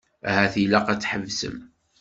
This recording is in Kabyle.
Ahat ilaq ad tḥebsem.